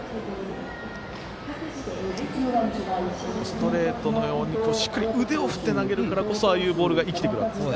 ストレートのようにしっかり腕を振って投げるからああいうボールが生きてくるわけですね。